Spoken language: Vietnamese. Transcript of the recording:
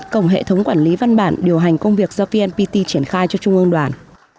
cổng hệ thống quản lý văn bản điều hành công việc do vnpt triển khai cho trung ương đoàn